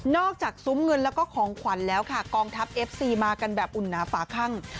ซุ้มเงินแล้วก็ของขวัญแล้วค่ะกองทัพเอฟซีมากันแบบอุ่นหนาฝาคั่ง